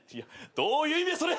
どういう意味やそれ。